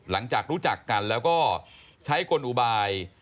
หลังจากรู้จักกันแล้วก็ใช้กลอุบาย